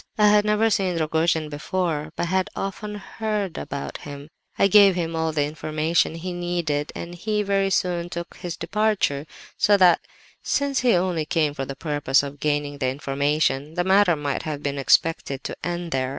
I had never seen Rogojin before, but had often heard about him. "I gave him all the information he needed, and he very soon took his departure; so that, since he only came for the purpose of gaining the information, the matter might have been expected to end there.